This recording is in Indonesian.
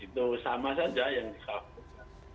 itu sama saja yang di cover